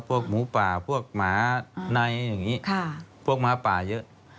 พวกหมูป่าพวกหมาในอย่างนี้พวกหมาป่าเยอะ